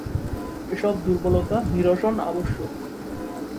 এ সব দুর্বলতা নিরসন আবশ্যক।